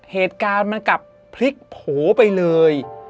เหตุการณ์มันกลับพลิกโผล่ไปเลย